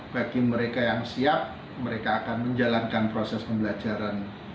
bagi mereka yang siap mereka akan menjalankan proses pembelajaran